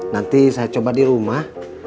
nanti saya coba di rumah